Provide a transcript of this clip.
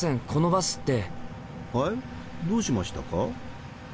はいどうしましたか？